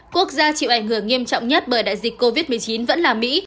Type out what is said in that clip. quốc gia chịu ảnh hưởng nghiêm trọng nhất bởi đại dịch covid một mươi chín vẫn là mỹ